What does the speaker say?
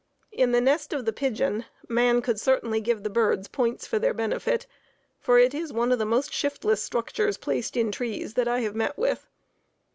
In the nest of the pigeon, man could certainly give the birds points for their benefit, for it is one of the most shiftless structures placed in trees that I have met with.